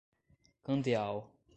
Candeal